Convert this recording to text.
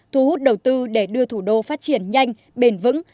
thu hút đầu tư để đưa thủ đô phát triển nhanh bền vững